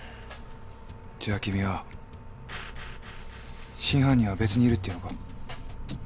じゃ君は真犯人は別にいるって言うのか？